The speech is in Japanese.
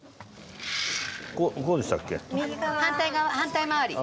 反対側反対回り。